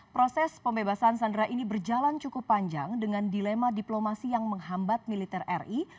proses pembebasan sandera ini berjalan cukup panjang dengan dilema diplomasi yang menghambat militer ri